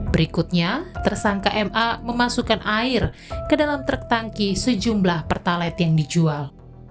berikutnya tersangka ma memasukkan air ke dalam truk tangki sejumlah pertalet yang dijual